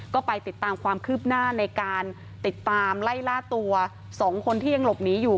ก็ไปติดตามความคืบหน้าในการติดตามไล่ล่าตัว๒คนที่ยังหลบหนีอยู่